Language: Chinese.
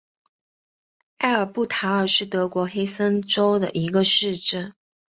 埃尔布塔尔是德国黑森州的一个市镇。